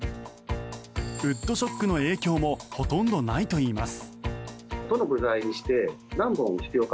ウッドショックの影響もほとんどないといいます。